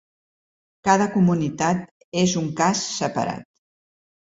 Cada comunitat és un cas separat.